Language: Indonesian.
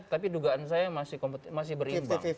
tapi dugaan saya masih berimbang